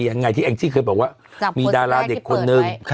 อย่างไรที่แอ้งที่เคยบอกว่ามีดาราเด็กคนหนึ่ง